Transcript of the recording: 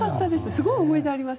すごく思い出があります。